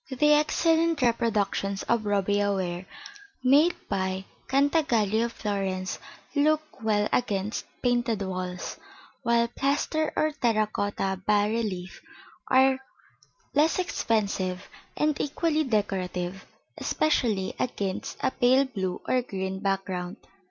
The excellent reproductions of Robbia ware made by Cantagalli of Florence look well against painted walls; while plaster or terra cotta bas reliefs are less expensive and equally decorative, especially against a pale blue or green background.